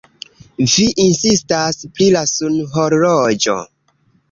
Vi insistas pri la sunhorloĝo.